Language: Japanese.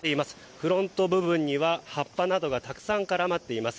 フロント部分には葉っぱなどがたくさん絡まっています。